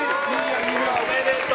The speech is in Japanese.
おめでとう！